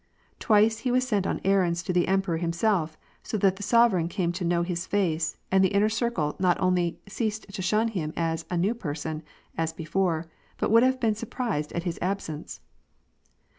Twice he was sent on errands to the emperor himself, so that the sovereign came to know his face, and the inner circle not only ceased to shun him as ''a new person,'' as before, but would have been surprised at his absence.